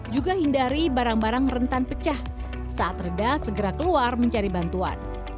juga hindari barang barang rentan pecah saat reda segera keluar mencari bantuan